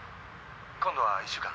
今度は１週間？